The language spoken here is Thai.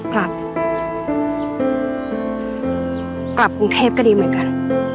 กลับกรุงเทพก็ดีเหมือนกัน